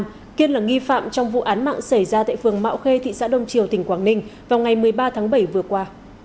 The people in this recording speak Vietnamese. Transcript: trần văn kiên là nghi phạm trong vụ án mạng xảy ra tại phường mạo khê thị xã đông triều tỉnh quảng ninh vào ngày một mươi ba tháng bảy vừa qua